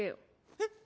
えっ？